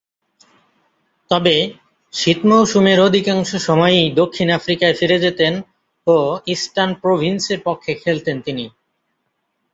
তবে, শীত মৌসুমের অধিকাংশ সময়ই দক্ষিণ আফ্রিকায় ফিরে যেতেন ও ইস্টার্ন প্রভিন্সের পক্ষে খেলতেন তিনি।